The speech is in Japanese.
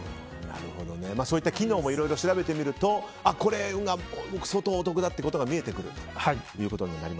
そういった機能もいろいろ調べてみると相当お得だということが見えてくると。